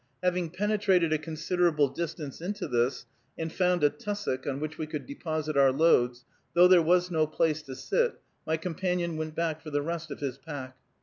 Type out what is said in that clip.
Having penetrated a considerable distance into this, and found a tussock on which we could deposit our loads, though there was no place to sit, my companion went back for the rest of his pack.